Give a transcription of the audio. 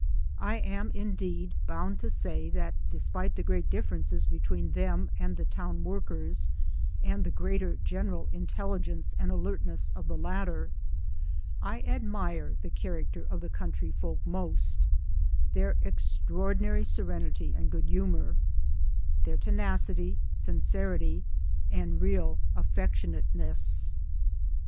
I am indeed bound to say that despite the great differences between them and the town workers, and the greater general intelligence and alertness of the latter, I admire the character of the country folk most their extraordinary serenity and good humour, their tenacity, sincerity, and real affectionateness.